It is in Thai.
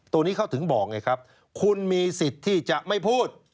ตรงนี้เขาถึงบอกไงครับคุณมีสิทธิ์ที่จะไม่พูด